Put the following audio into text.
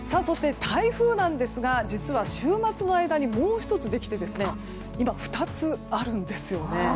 そして、台風なんですが実は週末の間にもう１つできて今、２つあるんですよね。